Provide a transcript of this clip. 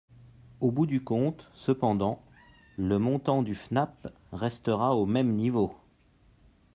Au bout du compte, cependant, le montant du FNAP restera au même niveau.